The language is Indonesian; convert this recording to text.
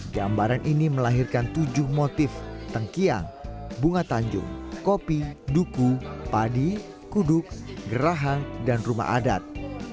gambaran ini melahirkan tujuh motif tengkiang bunga tanjung kopi duku padi kuduk gerahang dan rumah adat